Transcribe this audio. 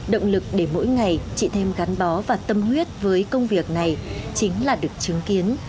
động lực để mỗi ngày chị thêm gắn bó và tâm huyết với công việc này chính là được chứng kiến